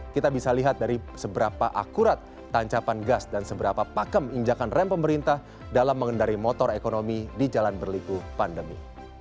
kita bisa lihat dari seberapa akurat tancapan gas dan seberapa pakem injakan rem pemerintah dalam mengendari motor ekonomi di jalan berliku pandemi